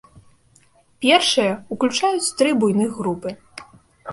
Першыя ўключаюць тры буйных групы.